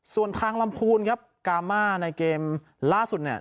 ส่วนทางลำพูนครับกามาในเกมล่าสุดเนี่ย